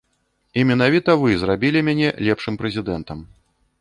І менавіта вы зрабілі мяне лепшым прэзідэнтам.